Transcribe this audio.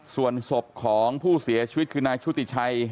ส่วนศพของผู้เสียชีวิตคือนายชุติชัย